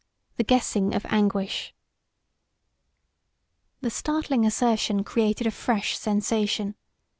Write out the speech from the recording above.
THE GUESSING OF ANGUISH The startling assertion created a fresh sensation.